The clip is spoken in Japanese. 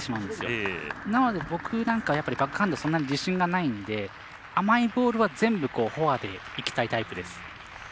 だから、僕なんかはバックハンドそんなに自信がないので甘いボールは全部フォアでいきたいタイプです。